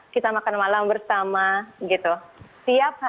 kita makan malam bersama gitu